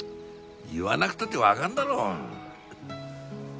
言わなくたってわかるだろう。